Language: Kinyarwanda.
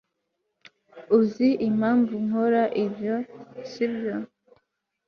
Uzi impamvu nkora ibyo sibyo